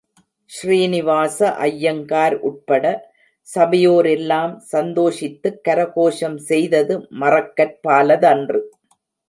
ஸ்ரீனிவாச ஐயங்கார் உட்பட, சபையோரெல்லாம் சந்தோஷித்துக் கரகோஷம் செய்தது மறக்கற்பாலதன்று.